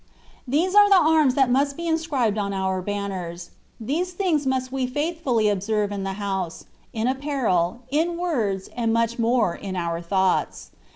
These are the arms that must be inscribed on OMt banners : these things must we faithfiilly ob serve in the house, in apparel, in words, and much more in our thoughts.